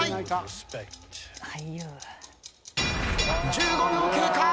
１５秒経過！